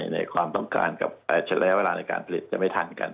ในความต้องการกับระยะเวลาในการผลิตจะไม่ทันกัน